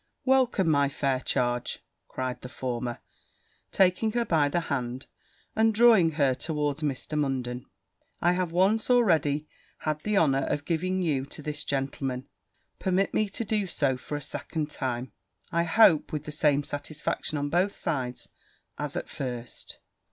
'Welcome, my fair charge,' cried the former, taking her by the hand, and drawing her towards Mr. Munden; 'I have once already had the honour of giving you to this gentleman permit me to do so a second time; I hope with the same satisfaction, on both sides, as at first.'